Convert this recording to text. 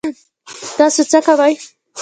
تاسو څه کوئ؟